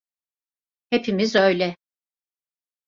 Hepimiz öyle.